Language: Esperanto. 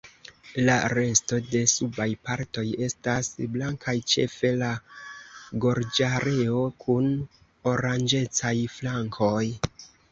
La resto de subaj partoj estas blankaj ĉefe la gorĝareo kun oranĝecaj flankoj.